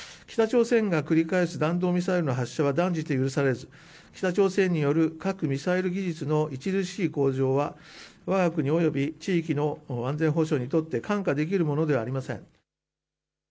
北朝鮮が繰り返す弾道ミサイルの発射は断じて許されず北朝鮮による核・ミサイル技術の著しい向上はわが国および地域の安全保障にとって看過できるものではありません。